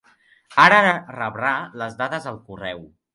Ara rebrà les dades al correu.